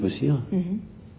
うん。